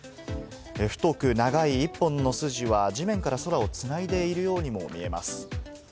太く長い１本の筋は、地面から空を繋いでいるようにも見えます。